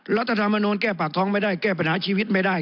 รัฐธรรมนูลแก้ปากท้องไม่ได้แก้ปัญหาชีวิตไม่ได้